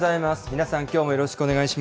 皆さん、きょうもよろしくお願い